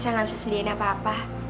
saya enggak bisa sediakan apa apa